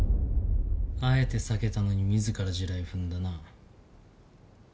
あえて避けたのに自ら地雷踏んだな。